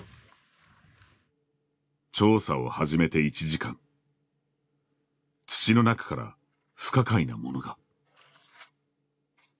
調査を始めて１時間土の中から不可解なものが。